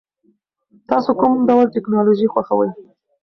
تاسو کوم ډول ټیکنالوژي خوښوئ؟